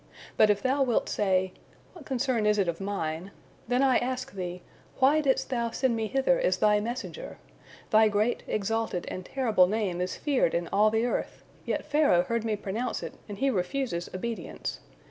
But if Thou wilt say, 'What concern is it of mine?' then I ask Thee, Why didst Thou send me hither as Thy messenger? Thy great, exalted, and terrible Name is feared in all the earth, yet Pharaoh heard me pronounce it, and he refuses obedience.